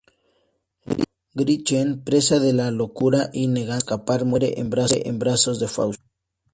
Gretchen, presa de la locura y negándose a escapar, muere en brazos de Fausto.